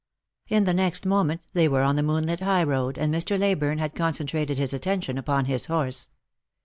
In the next moment they were on the moonlit high road, and Mr. Leyburne had concentrated his attention upon his horse.